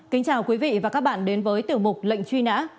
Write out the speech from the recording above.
kính chào quý vị và các bạn đến với tiểu mục lệnh truy nã